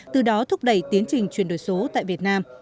từ đó thúc đẩy tiến trình chuyển đổi số tại việt nam